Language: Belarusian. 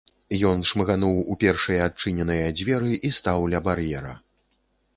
Ён шмыгануў у першыя адчыненыя дзверы і стаў ля бар'ера.